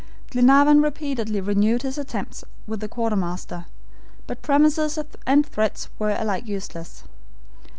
Glenarvan repeatedly renewed his attempts with the quartermaster, but promises and threats were alike useless.